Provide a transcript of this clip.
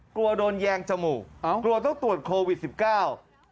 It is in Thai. กลัวโดนแยงจมูกอ๋อกลัวต้องตรวจโควิดสิบเก้า